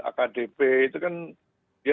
akdp itu kan ya